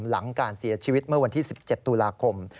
หลังการเสียชีวิตเมื่อวันที่๑๗ตุลาคม